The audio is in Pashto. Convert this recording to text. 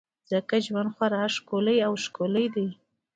ځکه ژوند خورا ښکلی او ښکلی دی.